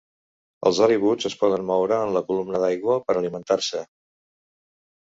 Els halibuts es poden moure en la columna d'aigua per a alimentar-se.